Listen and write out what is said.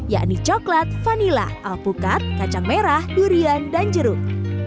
yakni coklat vanila alpukat kacang merah durian dan jeruk